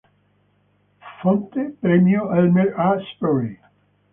Fonte: premio Elmer A. Sperry